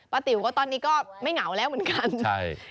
ติ๋วก็ตอนนี้ก็ไม่เหงาแล้วเหมือนกันใช่